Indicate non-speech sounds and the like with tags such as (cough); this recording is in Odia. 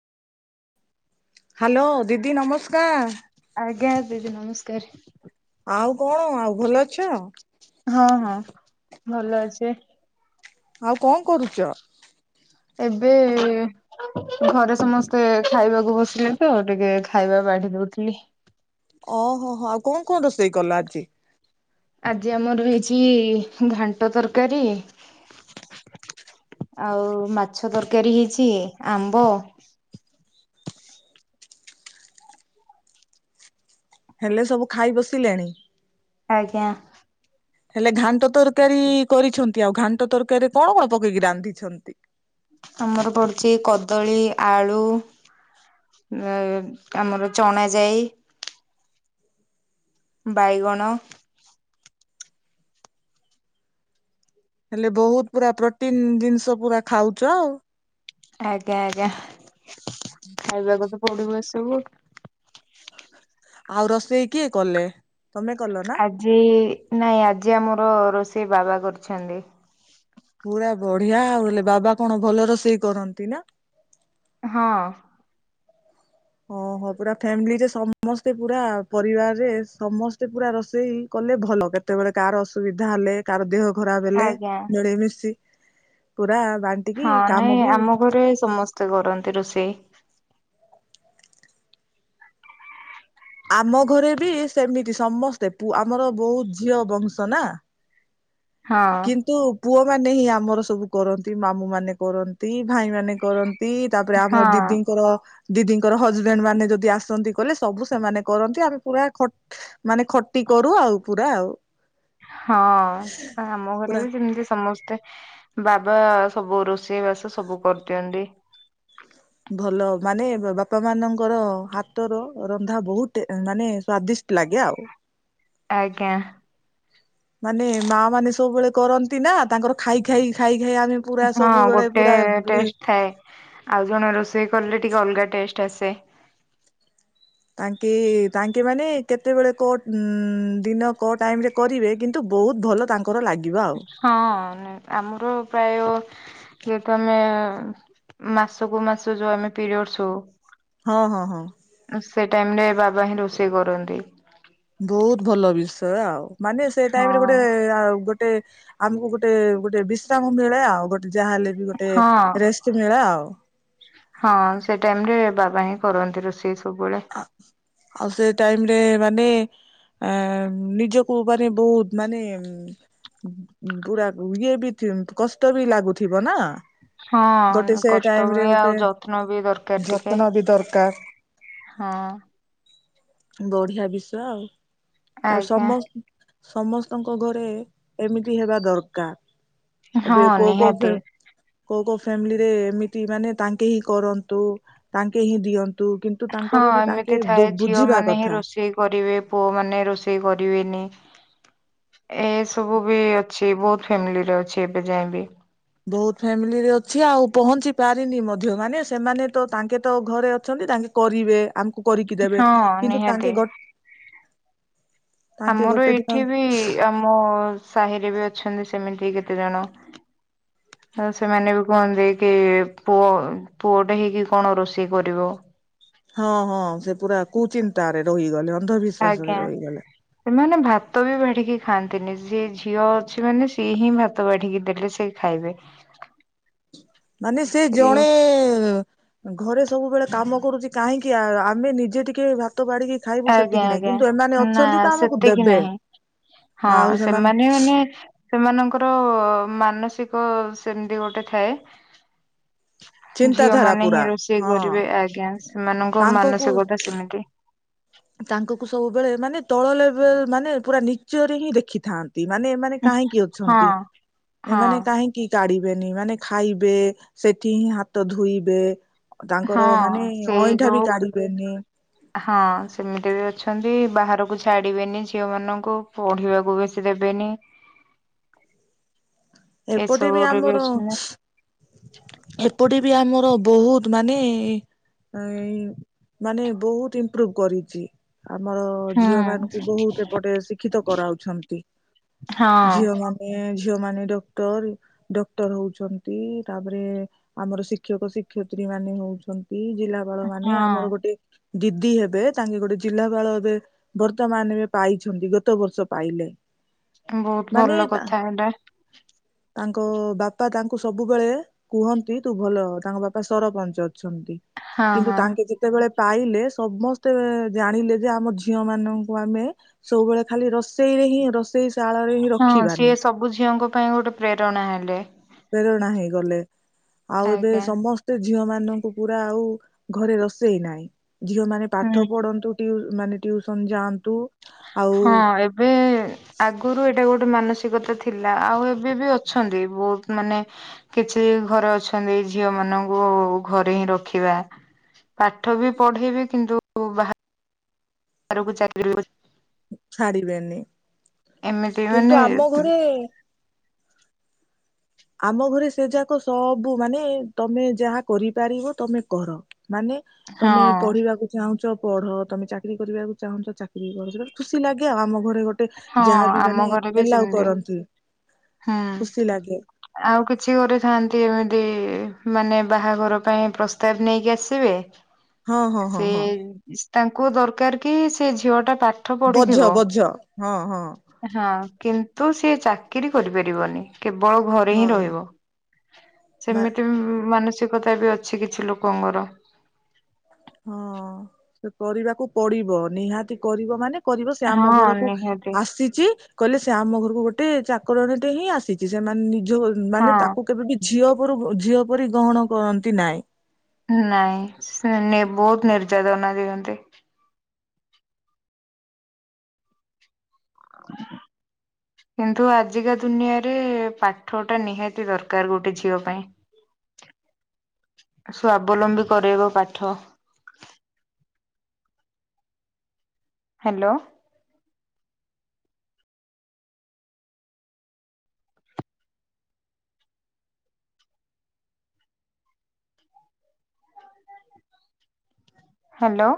ହ୍ୟାଲୋ। ଦିଦି ନମସ୍କାର। ଆଜ୍ଞା ଦିଦି ନମସ୍କାର। ଆଉ କଣ। ଆଉ ଭଲ ଅଛ? ହଁ ହଁ ଭଲ ଅଛି। ଆଉ କଣ କରୁଛ? ଏବେ ଘରେ ସମସ୍ତେ ଖାଇବାକୁ ବସିଲେ ତ। ଟିକେ ଖାଇବା ବାଢି ଦଉଥିଲି। ଓହୋ ହୋ ଆଉ କଣ, କଣ ରୋଷେଇ କଲ ଆଜି? ଆଜି ଆମର ହେଇଛି ଘାଣ୍ଟ ତରକାରୀ। ଆଉ ମାଛ ତରକାରୀ ହେଇଛି। ଆମ୍ବ। ହେଲେ ସବୁ ଖାଇ ବସିଲେଣି? ଆଜ୍ଞା। ହେଲେ ଘାଣ୍ଟ ତରକାରୀ କରିଛନ୍ତି। ଆଉ ଘାଣ୍ଟ ତରକାରୀରେ କଣ କଣ ପକେଇକି ରାନ୍ଧିଛନ୍ତି। ଆମର ପଡୁଛି କଦଳୀ, ଆଳୁ। ଆମର ଚଣା ଯାଇ। ବାଇଗଣ। ହେଲେ ବହୁତ ପୁରା ପ୍ରୋଟିନ ଜିନିଷ ପୁରା ଖାଉଛ ଆଉ। ଆଜ୍ଞା ଆଜ୍ଞା। ଖାଇିବାକୁ ତ ପଡିବ ଏସବୁ। ଆଉ ରୋଷେଇ କିଏ କଲେ? ତମେ କଲ ନା? ଆଜି। ନାଇଁ ଆଜି ଆମର ରୋଷେଇ ବାବା କରୁଛନ୍ତି। ପୁରା ବଢିଆ ଆଉ। ହେଲେ ବାବା କଣ ଭଲ ରୋଷେଇ କରନ୍ତି ନା? ହଁ। ଓହୋ ପୁରା ଫ୍ୟାମିଲିରେ ସମସ୍ତେ ପୁରା ପରିବାରରେ ସମସ୍ତେ ପୁରା ରୋଷେଇ କଲେ ଭଲ କେତେବେଳେ କାହାର ଅସୁବିଧା ହେଲେ, କାର ଦେହ। ଖରା ବେଲେ ଆଜ୍ଞା ଜଳେଇ ମିଶି ପୁରା। ବାଣ୍ଟିକି ହଁ। କାମ ନାଇଁ ବି ଆମ ଘରେ ସମସ୍ତେ କରନ୍ତି ରୋଷେଇ। ଆମ ଘରେ ବି ସେମିତି ସମସ୍ତେ। ଆମର ବହୁତ ଝିଅ ବଂଶ ନା। ହଁ କିନ୍ତୁ ପୁଅ ମାନେ ହିଁ ଆମର ସବୁ କରନ୍ତି, ମାମୁଁ ମାନେ କରନ୍ତି, ଭାଇ ମାନ କରନ୍। ତି ତାପରେ ଆମର ହଁ ଦିଦିଙ୍କର। ଦିଦିଙ୍କର ହଜବେଣ୍ଡ ମାନେ ଯଦି ଆସନ୍ତି କହିଲେ ସବୁ ସେମାନେ କରନ୍ତି। ଆମେ ପୁରା ମାନେ ଖଟି କରୁ ଆଉ ପୁରା ଆଉ। ହଁ ଆ ଆମ ଘରେ ପୁରା ବି ସେମିତି ସମସ୍ତେ ବାବା ସବୁ ରୋଷେଇ ବାସ ସବୁ କରିଦିଅନ୍ତି। ଭଲ ମାନେ ବାପା ମାନଙ୍କର ହାତର ରନ୍ଧା ବହୁତ ମାନେ ସ୍ଵାଦିଷ୍ଟ୍। ଲାଗେ ଆଉ। ଆଜ୍ଞା। ମାନେ ମା ମାନେ ସବୁବେଳେ କରନ୍ତି ନା ତାଙ୍କର ଖାଇ ଖାଇ ଖାଇ ଖାଇ ଆମେ ପୁରା ହଁ ସବୁବେଳେ ଗୋଟେ ପୁରା ଟେଷ୍ଟ ଥାଏ ଆଉ ଜଣେ ରୋଷେଇ କଲି ଟିକ ଅଲଗା ଟେଷ୍ଟ ଆସେ। ତାଙ୍କେ ତାଙ୍କେ ମାନେ କେତେବେଳେ କୋଉ ଉ ଦିନ କୋଉ ଟାଇମ ରେ କରିବେ କିନ୍ତୁ ବହୁତ୍ ଭଲ ତାଙ୍କର ଲାଗିବ ଆଉ। ହଁ ଆମର ପ୍ରାୟ ଯେହେତୁ ଆମେ ମାସକୁୁ ମାସ ଯୋଉ ଆମେ ପିରିୟଡସ୍ ହଉ ହଁ ହଁ ହଁ। ସେ ଟାଇମ ରେ ବାବା ହିଁ ରୋଷେଇ କରନ୍ତି। ବହୁତ ଭଲ ବିଷୟ ଆଉ ମାନେ ସେ ହଁ ଟାଇମରେ ଗୋଟେ ଗୋଟେ ଗୋଟେ ଆମକୁ ଗୋଟେ ଗୋଟେ ବିଶ୍ରାମ ମିଳେ ଆଉ ଗୋଟେ। ଯାହାହେଲେ ବି ଗୋଟେ ହଁ ରେଷ୍ଟ୍ ମିଳେ ଆଉ। ନାହିଁ କରନ୍ତି ରୋଷେଇ। ସବୁବେଳେ। ଆଉ ସେ ଟାଇମ ରେ ମାନେ ଆଁ ନିଜକୁ ମାନେ ବହୁତ ମାନେ। ପୁରା ଇଏ ବି କଷ୍ଟ ବି ଲାଗୁଥିବ ନା। ଗୋଟେ ହଁ ସେ କଷ୍ଟ ଟାଇମ ରେ ହୁଏ ଆଉ ଗୋଟେ ଯତ୍ନ ବି ଦରକାର ଟିକେ ଯତ୍ନ ବି ଦରକାର। (inaudible) ହଁ। ବଢ଼ିଆ ବିଷୟ ଆଉ ଆଜ୍ଞା ସମସ୍ ସମସ୍ତଙ୍କ ଘରେ ଏମିତି ହେବା ଦରକାର। ହଁ ଏବେ କକୋ କକୋ ଫେ କୋକୋ ନିହାତି କୋକୋ ଫ୍ୟାମିଲିରେ ଏମିତି ମାନେ ତାଙ୍କେ ହିଁ କରନ୍ତୁ ତାଙ୍କେ ହିଁ ଦିଅନ୍ତୁ। କିନ୍ତୁ ହଁ ତାଙ୍କର ବି ଏମିତି ତାଙ୍କେ ଥାଏ ଝିଅ ବୁଝିବା ମାନେ ହିଁ କଥା ରୋଷେଇ କରିବେ ପୁଅ ମାନେ ରୋଷେଇ କରିବେନି। ଏ ସବୁ ବି ଅଛି ବହୁତ ଫ୍ୟାମିଲିରେ ଅଛି ଏବେ ଯାଏବି। ବହୁତ ଫ୍ୟାମିଲିରେ ଅଛି ଆଉ ପହଞ୍ଚି ପାରିନି ମଧ୍ୟ ମାନେ ସେମାନେ ତ ତାଙ୍କେ ତ ଘରେ ଅଛ ତାଙ୍କେ କରିବେ ଆମକୁ କରିକି ଦେବେ ହଁ କିନ୍ତୁ ନିହାତି। ତାଙ୍କେ ଗ ଆମର ଏଇଠି ବି ଆମ ସାହିରେ ବି ଅଛନ୍ତି, ସ ସେମିତି କେତେ ଜଣ। ହ (inaudible) ଆଉ ସେମାନେ ବି କୁହନ୍ତି କି ପୁଅ ପୁଅଟେ ହେଇକି କଣ ରୋଷେଇ କରିବ। ହଁ ହଁ ସେ ପୁରା କୁଚିନ୍ତା ରେ ରହିଗଲେ ଅ ଆଜ୍ଞା ସେମାନେ ଭାତ ବି ବାଢିକି ଖାଆନ୍ତିନି ସେ ଝିଅ ଅଛି ମାନେ ସିଏ ହିଁ ଭାତ ବାଢିକି ଦେଲେ ସେ ଖାଇବେ। ମାନେ ସେ ଜଣେ ଘରେ ସବୁବେଳେ କାମ କରୁଚି କାହିଁକି ଆ ଆମେ ନିଜେ ଟିକେ ଭା ଭାତ ବାଢିକି ଖାଇବୁ ଆଜ୍ଞା ସେତିକି ନାହିଁ, ଆଜ୍ଞା କିନ୍ତୁ ଏମାନେ ନା ଅଛନ୍ତି ତ ଆମକୁ ସେତିକି ଦେବେ। ନାହିଁ ହଁ ସେମାନେ ମାନେ ସେମାନଙ୍କର ମାନସିକ ସେମତି ଗୋଟେ ଥାଏ। ଝିଅ ଚିନ୍ତାଧାରା ମାନେ ପୁରା ହିଁ ରୋଷେଇ ହଁ କରିବେ ଆଜ୍ଞା ସେମାନଙ୍କ ତାଙ୍କକୁ ମାନସିକତା ସେମିତି। ତାଙ୍କକୁ ସବୁବେଳେ ମାନେ ତଳ ଲେଭଲ ମାନେ ପୁରା ନିଚ୍ଚରେ ହିଁ ଦେଖିଥା ନ୍ତି ମାନେ ଏମାନେ କାହିଁକି ହଁ ଅଛନ୍ତି ହଁ ଏମାନେ କାହିଁକି କାଡି ବେନି ମାନେ ଖାଇବେ ସେଠି ହିଁ ହାତ ଧୋଇବେ ହଁ ତାଙ୍କର ମାନେ ସେଇ ଅଇଁଠା ବି ଯୋଉ କାଢିବେନି ହଁ ସେମିତି। କେତେ ବି ଅଛନ୍ତି ବାହାରକୁ ଛାଡିବେନି ଝିଅ ମାନଙ୍କୁ ପଢିବାକୁ ବେଶୀ ଦେବେନି। (inaudible) ଏପଟେ ବି ଏସବୁରେ ଆମର, ଅଛନ୍ତି ଏପଟେ ବି ଆମ ବହୁତ ମାନେ ଇ ମାନେ ବହୁତ ଇମ୍ପ୍ରୁଭ କରିଚି। ଆମର ଝିଅ ହୁଁ ମାନଙ୍କୁ ବହୁତ ଏପଟେ ଶିକ୍ଷିତ କରାଉଛନ୍ତି। ହଁ ଝିଅମାନେ ଝିଅମାନେ ଡ କ୍ଟର ଡକ୍ଟର ହଉଛନ୍ତି ତାପରେ ଆମର ଶିକ୍ଷକ ଶିକ୍ଷୟତ୍ରୀ ମାନେ ହଉଛନ ନ୍ତି ଜିଲ୍ଲାପାଳ ମାନେ ହଁ ଆମର ଗୋଟେ ଦିଦି ହେବେ ତାଙ୍କେ ଗୋଟେ ଜିଲ୍ଲାପାଳ ଏବେ ବର୍ତ୍ତମାନ ଏବେ ପାଇଛନ୍ତି ଗତ ବର୍ଷ ପାଇଲେ। ବହୁତ ମାନେ ଭଲ ତା କଥା ଏଇଟା। ତାଙ୍କ ବାପା ତାଙ୍କୁ ସବୁବେଳେ କୁହନ୍ତି ତୁ ଭଲ, ତାଙ୍କ ବାପା ସରପଞ୍ଚ ଅଛନ୍ତି। ହଁ କିନ୍ତୁ ହଁ ତାଙ୍କେ ଯେତେବେଳେ ପାଇଲେ ସମସ୍ତେ ଜାଣିଲେ ଯେ ଆମ ଝିଅ ମାନଙ୍କୁ ଆମେ ସବୁବେଳେ ଖାଲି ରୋଷେଇ ହିଁ ର ଶାଳରେ ହଁ ସିଏ ସବୁ ଝିଅଙ୍କ ପାଇଁ ଗୋଟେ ପ୍ରେରଣା ହେଲେ। ପ୍ରେରଣା ହେଇଗଲେ, ଆଉ ଏବେ ଆଜ୍ଞା। ସମସ୍ତେ ଝିଅ ମାନଙ୍କୁ ପୁରା ଆଉ ଘରେ ରୋଷେଇ ନାହିଁ ଝିଅମାନେ ପାଠ ହୁଁ ପଢନ୍ତୁ, ଟିଉ ମାନେ ଟିୟୁସନ ଯାଆନ୍ତୁ। ଆଉ ହଁ ଏବେ ଆଗୁରୁ ଏଇଟା ଗୋଟ ମାନସିକତା ଥିଲା ଆଉ ଏବେ ବି ଅଛନ୍ତି ବହୁତ ମାନେ କିଛି ଘରେ ଅଛନ୍ତି ଝିଅ ମାନଙ୍କୁ ଘରେ ହିଁ ରଖିବା। ପାଠ ବି ପଢେଇବି କିନ୍ତୁ ବା ହାରକୁ ଚାକିରୀ ଛାଡ଼ିବେନି ଏମିତି ମାନେ କିନ୍ତୁ ଆମ ଘରେ ଆମ ଘରେ ସେ ଯାକ ସବୁ ମାନେ ତମେ ଯାହା କରିପାରିବ, ତମେ କର। ମାନେ ହଁ ତମେ ପଢିବାକୁ ଚାହୁଁଚ ପଢ ତମେ ଚାକିରୀ କରିବାକୁ ଚାହୁଁଛ ଚାକିରି କର ଖୁସି ଲାଗେ ଆଉ ଆମ ଘରେ ଗୋ ଟେ ହଁ ଯାହାବି ଆମ ମାନେ ଘରେ ବି ଏଲ୍ଲାଓ ସେମିତି କରନ୍ତି, ହୁଁ। ଖୁସି ଲାଗେ। ଆଉ କିଛି ଗୋଟେ ଖାନ୍ତି। ଏମିତି ମାନେ ବାହାଘର ପାଇଁ ପ୍ରସ୍ତାବ ନେଇକି ଆସିବେ ହଁ ହଁ ହଁ ସେ ହଁ। ତାଙ୍କୁ ଦରକାର କି ସେ ଝିଅ ଟା ପାଖ ବଝ ବଝ ହଁ ହଁ। ହଁ, କିନ୍ତୁ, ସିଏ ଚାକିରି କରିପାରିବନି। କେବଳ ଘରେ ହିଁ ହଁ। ରହିବ, ମା ସେମିତି ମାନ ସିକତା, ବି ଅଛି କିଛି ଲୋକଙ୍କର। ହଁ, ସେ କରିବାକୁ ପଡିବ, ନିହାତି କରିବ ମାନେ କରିବ, ସେ ହଁ ଆମ ଘରକୁ ନିହାତି ଆସିଛି କହିଲେ- ସେ ଆମ ଘରକୁ ଗୋଟେ ଚାକରଣୀଟେ ହିଁ ଆସିଛି, ସେମାନେ ନିଜ ହଁ ମାନେ ତାକୁ କେବେ ବି ଝିଅ ଝିଅ ପରି ଗ୍ରହଣ କରନ୍ତି ନାଇଁ। ନାଇଁ ସେ ନି ବହୁତ ନିର୍ଯ୍ୟାତନା ଦିଅନ୍ତି। (unintelligible) କିନ୍ତୁ ଆଜିକା ଦୁନିଆରେ ପାଠ ଟା ନିହାତି ଦରକାର ଗୋଟେ ଝିଅ ପାଇଁ। ଆ (inaudible) ସ୍ୱାବଲମ୍ବୀ କରାଇବ ପାଠ। Hello hello